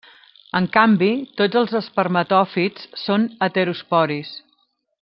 En canvi, tots els espermatòfits són heterosporis.